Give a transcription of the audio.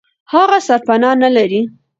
هغه سرپنا نه لري.